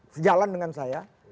sejalan dengan saya